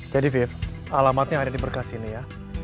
jadi faith alamatnya ada di berkas ini ya